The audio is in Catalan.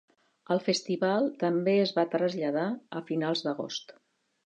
El festival també es va traslladar a finals d'agost.